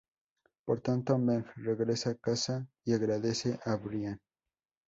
Por tanto Meg regresa a casa y agradece a Brian.